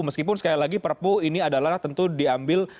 meskipun sekali lagi perpu ini adalah tentu diambil